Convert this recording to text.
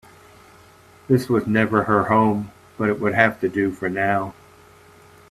This was never her home, but it would have to do for now.